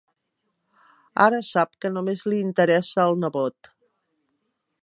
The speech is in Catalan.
Ara sap que només li interessa el nebot.